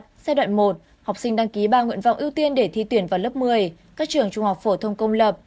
giai đoạn một học sinh đăng ký ba nguyện vọng ưu tiên để thi tuyển vào lớp một mươi